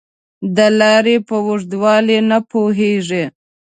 دا لارې په اوږدوالي نه پوهېږي .